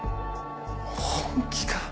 本気か？